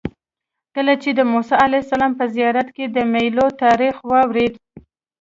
کله چې د موسی علیه السلام په زیارت کې د میلو تاریخ واورېد.